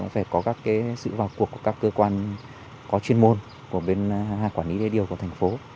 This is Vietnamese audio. phải có các sự vào cuộc của các cơ quan có chuyên môn của bên quản lý đê điều của thành phố